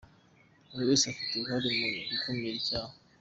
Buri wese afite uruhare mu gukumira ibyaha.